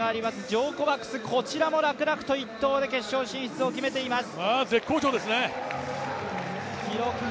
ジョー・コバクス、こちらも楽々、１投で決勝進出を決めてまいす。